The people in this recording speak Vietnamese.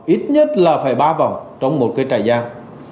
ít nhất là phải ba vòng trong một cái trại giam